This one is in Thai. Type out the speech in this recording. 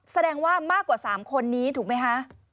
แสดงว่ามากกว่า๓คนนี้ถูกไหมคะ